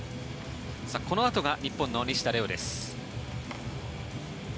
このあとが日本の西田玲雄です。